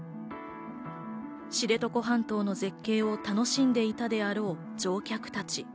知床半島の絶景を楽しんでいたであろう乗客達。